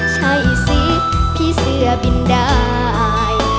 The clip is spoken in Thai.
ใช่สิพี่เสื้อบินได้